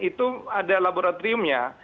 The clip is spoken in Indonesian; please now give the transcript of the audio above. itu ada laboratoriumnya